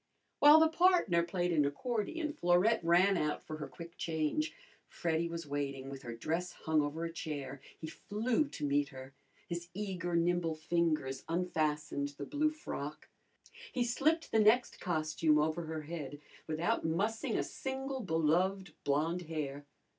While the partner played an accordion Florette ran out for her quick change. Freddy was waiting, with her dress hung over a chair. He flew to meet her. His eager, nimble fingers unfastened the blue frock. He slipped the next costume over her head without mussing a single beloved blonde hair.